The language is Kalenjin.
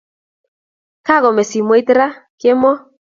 Kakome simoit raa kemo